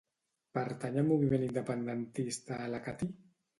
Pertany al moviment independentista la Cati?